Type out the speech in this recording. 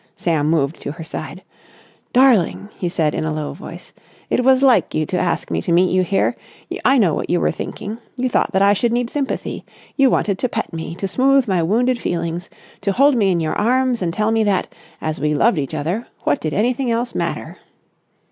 Sam moved to her side. "Darling," he said in a low voice, "it was like you to ask me to meet you here. I know what you were thinking. You thought that I should need sympathy. You wanted to pet me, to smooth my wounded feelings, to hold me in your arms and tell me that, as we loved each other, what did anything else matter?"